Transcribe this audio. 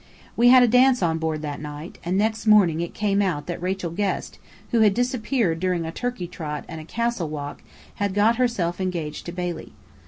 We had a dance on board that night; and next morning it came out that Rachel Guest, who had disappeared during a "turkey trot" and a "castle walk," had got herself engaged to Bailey.